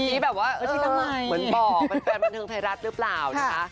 ที่แบบว่าเหมือนบอกแฟนบันเทิงไทยรัฐหรือเปล่านะคะ